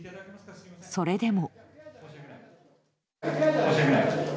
それでも。